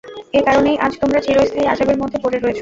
এ কারণেই আজ তোমরা চিরস্থায়ী আযাবের মধ্যে পড়ে রয়েছ।